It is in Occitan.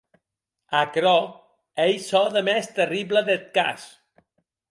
Aquerò ei çò de mès terrible deth cas!